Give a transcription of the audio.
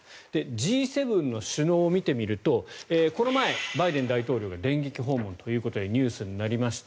Ｇ７の首脳を見てみるとこの前、バイデン大統領が電撃訪問ということでニュースになりました。